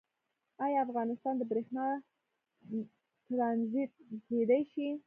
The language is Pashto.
آیا افغانستان د بریښنا ټرانزیټ کیدی شي؟